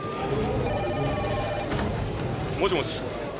もしもし。